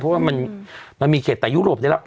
เพราะว่ามันมีเขตแต่ยุโรปได้แล้ว